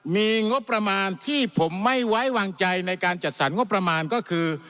มีงบประมาณที่ผมไม่ไว้วางใจในการจัดสรรงบประมาณก็คือ